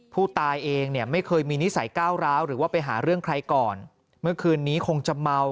ผู้ตายเองเนี่ยไม่เคยมีนิสัยก้าวร้าวหรือว่าไปหาเรื่องใครก่อนเมื่อคืนนี้คงจะเมา